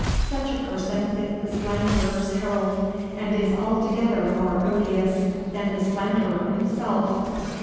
Such a person is the slanderer's herald, and is altogether more odious than the slanderer himself.